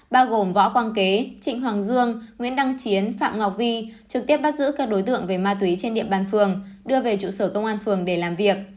bao gồm võ quang kế trịnh hoàng dương nguyễn đăng chiến phạm ngọc vi trực tiếp bắt giữ các đối tượng về ma túy trên địa bàn phường đưa về trụ sở công an phường để làm việc